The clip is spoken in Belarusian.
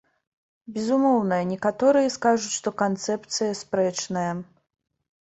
Безумоўна, некаторыя скажуць, што канцэпцыя спрэчная.